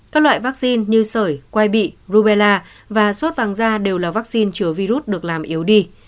các loại vắc xin như sởi quai bị rubella và suốt vàng da đều là vắc xin chứa virus được làm yếu đi